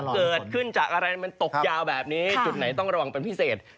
เกิดขึ้นจากอะไรมันตกยาวแบบนี้จุดไหนต้องระวังเป็นพิเศษ